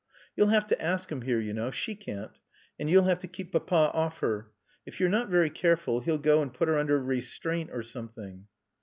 You'll have to ask him here, you know. She can't. And you'll have to keep Papa off her. If you're not very careful, he'll go and put her under restraint or something."